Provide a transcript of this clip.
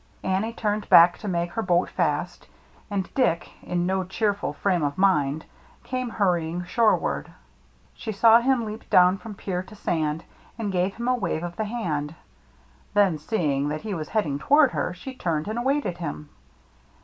Annie turned back to make her boat fast ; and Dick, in no cheerful frame of mind, came hurrying shoreward. She saw him leap down from pier to sand, and gave him a wave of the hand ; then, see ing that he was heading toward her, she turned and awaited him.